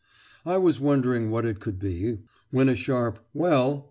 I was wondering what it could be, when a sharp "Well?"